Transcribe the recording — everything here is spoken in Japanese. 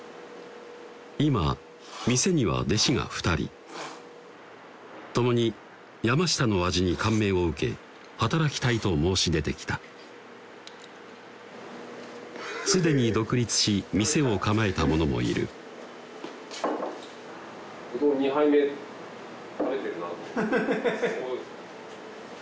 今店には弟子が２人共に山下の味に感銘を受け働きたいと申し出てきた既に独立し店を構えた者もいるフフフフ！